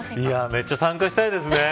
めっちゃ参加したいですね。